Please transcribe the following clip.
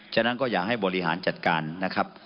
ฉะนั้นก็อยากให้บริหารจัดการนะครับ